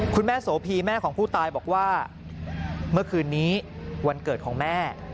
คุณแม่โสพีแม่ของผู้ตายบอกว่าเมื่อคืนนี้วันเกิดของแม่